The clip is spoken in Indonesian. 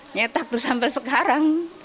nyetak tuh sampai sekarang